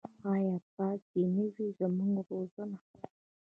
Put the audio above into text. آیا پاک دې نه وي زموږ زړونه؟